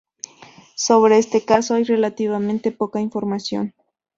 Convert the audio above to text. Sobre este caso hay relativamente poca información.